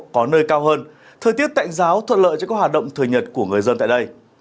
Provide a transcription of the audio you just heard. có nơi cao hơn thời tiết tạnh giáo thuận lợi cho các hoạt động thời nhật của người dân tại đây